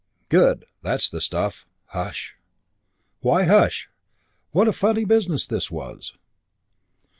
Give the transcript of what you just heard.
"Good. That's the stuff!" "Hush!" Why hush? What a funny business this was!